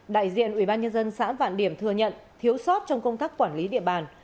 đại diện ubnd xã vạn điểm thừa nhận thiếu sót trong công tác quản lý địa bàn